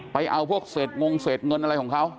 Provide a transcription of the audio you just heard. ไปเอาพวกเศษงงเศษเงินอะไรของเขา